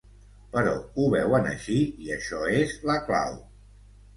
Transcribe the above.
Però ho veuen així i això és la clau.